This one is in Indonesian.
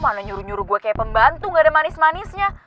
mana nyuruh nyuruh gue kayak pembantu gak ada manis manisnya